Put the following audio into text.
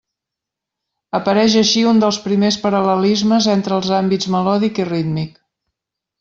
Apareix així un dels primers paral·lelismes entre els àmbits melòdic i rítmic.